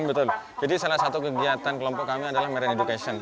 betul jadi salah satu kegiatan kelompok kami adalah marine education